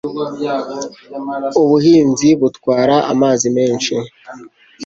Ubuhinzi butwara amazi menshi